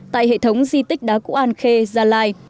tại hệ thống di tích đá cụ an khê gia lai